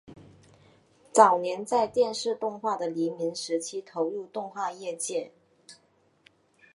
早年在电视动画的黎明时期投入动画业界。